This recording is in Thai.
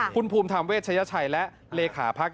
คุณภูมิธรรมเวชยชัยและเลขาพัก